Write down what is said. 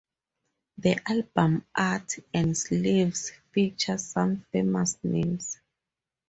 The album art and sleeves feature some famous names.